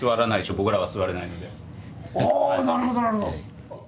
あなるほどなるほど。